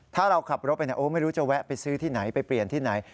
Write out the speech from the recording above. ถ้าเราขับรถไปไม่รู้จะแวะไปซื้อที่ไหนไปเปลี่ยนที่ไหน